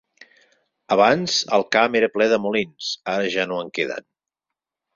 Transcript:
Abans el camp era ple de molins, ara ja no en queden.